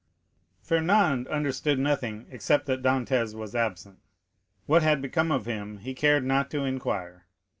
Fernand understood nothing except that Dantès was absent. What had become of him he cared not to inquire.